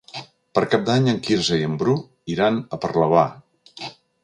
Per Cap d'Any en Quirze i en Bru iran a Parlavà.